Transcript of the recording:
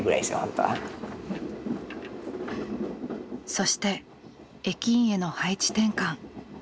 そして駅員への配置転換。